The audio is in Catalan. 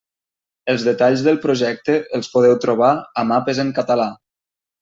Els detalls del projecte els podeu trobar a «Mapes en català».